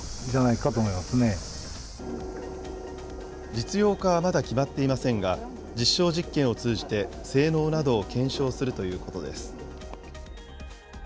実用化はまだ決まっていませんが、実証実験を通じて性能などを検証するということです。